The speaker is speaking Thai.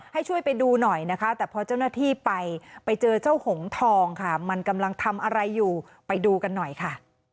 ให้ช่วยไปดูหน่อยนะคะแต่พอเจ้าหน้าที่ไปไปเจอเจ้าหงทองค่ะมันกำลังทำอะไรอยู่ไปดูกันหน่อยค่ะ